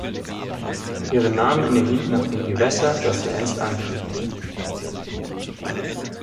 Ihren Namen erhielt nach dem Gewässer, das sie einst antrieb.